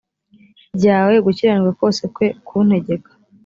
ryawe gukiranirwa kose kwe kuntegeka